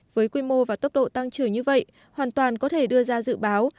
với quy mô và tốc độ tăng trừ như vậy hoàn toàn có thể đưa ra dự báo